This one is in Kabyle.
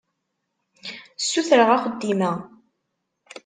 Ssutreɣ axeddim-a.